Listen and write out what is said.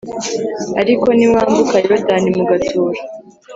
Ariko nimwambuka Yorodani mugatura